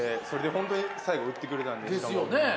それでほんとに最後打ってくれたんで。ですよね。